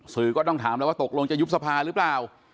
สื่อก็ต้องถามแล้วว่าตกลงจะยุบสภาหรือเปล่า